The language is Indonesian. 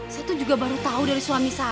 saya tuh juga baru tahu dari suami saya